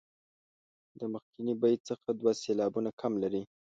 د مخکني بیت څخه دوه سېلابونه کم لري.